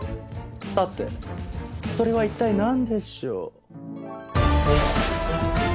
「さてそれは一体なんでしょう？」